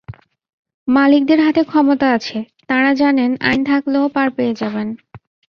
মালিকদের হাতে ক্ষমতা আছে, তাঁরা জানেন আইন থাকলেও পার পেয়ে যাবেন।